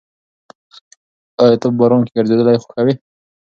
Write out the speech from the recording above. ایا ته په باران کې ګرځېدل خوښوې؟